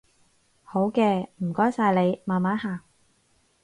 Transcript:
好嘅，唔該晒你，慢慢行